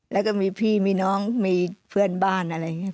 แล้วก็มีพี่มีน้องมีเพื่อนบ้านอะไรอย่างนี้